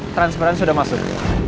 transparen sudah masuk